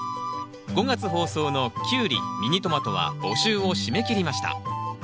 ５月放送のキュウリミニトマトは募集を締め切りました。